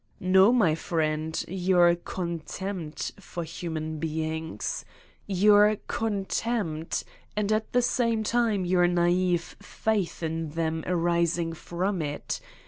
"No, my friend: your contempt for human beings ! Your contempt and at the same time your naive faith in them arising from it.